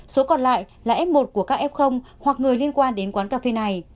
số còn lại là f một của các f hoặc người liên quan đến quán cà phê này